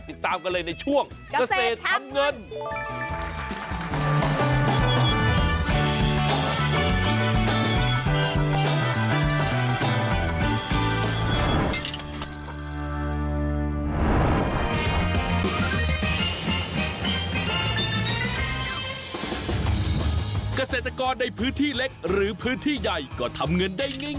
ติดตามกันเลยในช่วงเกษตรทำเงิน